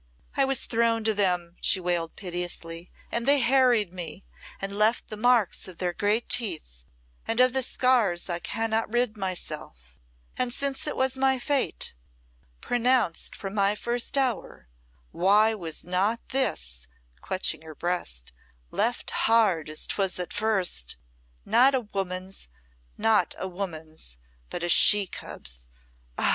"I was thrown to them," she wailed piteously, "and they harried me and left the marks of their great teeth and of the scars I cannot rid myself and since it was my fate pronounced from my first hour why was not this," clutching her breast, "left hard as 'twas at first? Not a woman's not a woman's, but a she cub's. Ah!